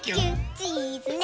「チーズね」